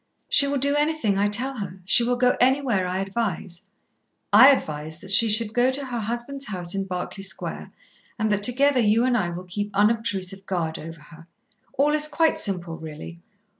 "She will do anything I tell her, she will go anywhere I advise. I advise that she shall go to her husband's house in Berkeley Square, and that together you and I will keep unobtrusive guard over her. All is quite simple, really.